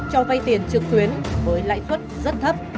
cho vay tiền trực tuyến với lãi suất rất thấp